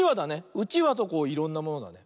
うちわといろんなものだね。